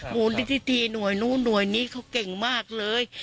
มูลนิธิธีหน่วยนู้นหน่วยนี้เขาเก่งมากเลย